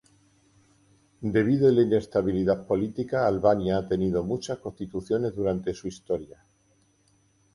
Debido a la inestabilidad política, Albania ha tenido muchas constituciones durante su historia.